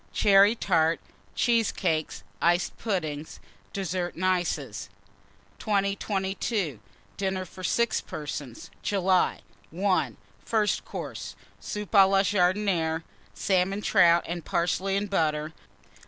Cherry Tart. Cheesecakes. Iced Pudding. DESSERT AND ICES. 2022. DINNER FOR 6 PERSONS (July). I. FIRST COURSE. Soup à la Jardinière. Salmon Trout and Parsley and Butter.